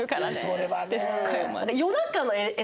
それはね。